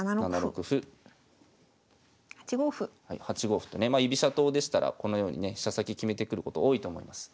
８五歩とねまあ居飛車党でしたらこのようにね飛車先決めてくること多いと思います。